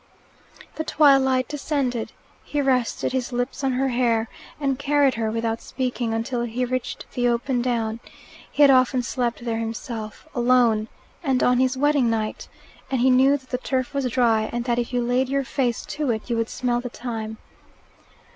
The twilight descended. He rested his lips on her hair, and carried her, without speaking, until he reached the open down. He had often slept here himself, alone, and on his wedding night, and he knew that the turf was dry, and that if you laid your face to it you would smell the thyme.